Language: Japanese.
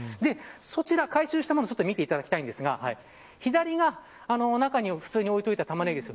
そちら、回収したものを見ていただきたいんですが左が中に普通に置いておいた玉ねぎです。